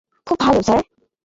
খুব ভাল স্যার।